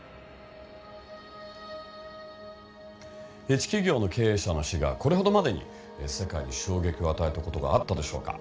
一企業の経営者の死がこれほどまでに世界に衝撃を与えた事があったでしょうか。